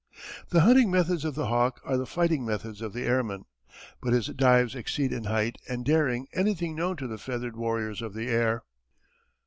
The hunting methods of the hawk are the fighting methods of the airman. But his dives exceed in height and daring anything known to the feathered warriors of the air.